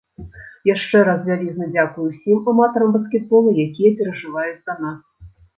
Яшчэ раз вялізны дзякуй ўсім аматарам баскетбола, якія перажываюць за нас!